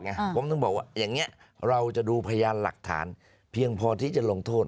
ผมถึงบอกว่าอย่างนี้เราจะดูพยานหลักฐานเพียงพอที่จะลงโทษ